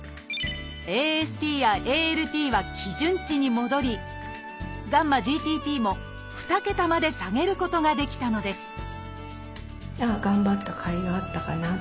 ＡＳＴやＡＬＴは基準値に戻りγ−ＧＴＰも２桁まで下げることができたのですなるほど。